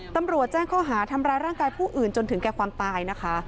ตำรวจแจ้งข้อหาทำร้ายร่างกายผู้อื่นจนถึงแก่ความตายนะคะ